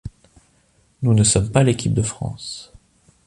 Nous ne sommes pas l’équipe de France.